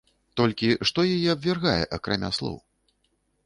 Толькі што яе абвяргае акрамя слоў?